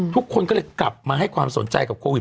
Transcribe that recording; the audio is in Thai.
ทุกคนก็เลยกลับมาให้ความสนใจกับโควิด